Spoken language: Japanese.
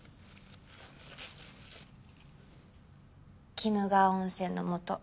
鬼怒川温泉の素。